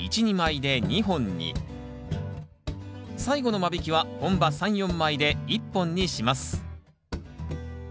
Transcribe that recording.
最後の間引きは本葉３４枚で１本にします。